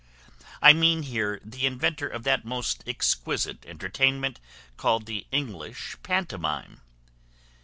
I mean here the inventor of that most exquisite entertainment, called the English Pantomime.